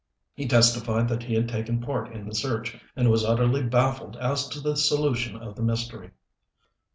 He testified that he had taken part in the search, and was utterly baffled as to the solution of the mystery.